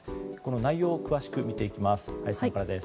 内容を詳しく見ていきます。